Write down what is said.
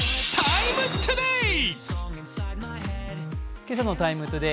今朝の「ＴＩＭＥ，ＴＯＤＡＹ」